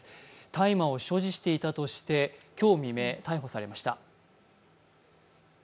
大麻を所持していたとして今日未明、逮捕されました。